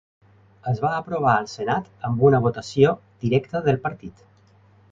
Es va aprovar al Senat amb una votació directa del partit.